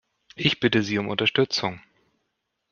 Ich bitte Sie um Unterstützung.